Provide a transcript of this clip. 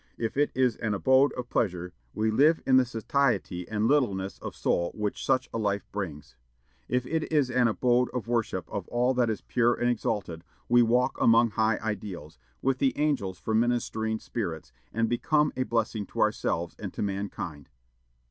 If it is an abode of pleasure, we live in the satiety and littleness of soul which such a life brings. If it is an abode of worship of all that is pure and exalted, we walk among high ideals, with the angels for ministering spirits, and become a blessing to ourselves and to mankind.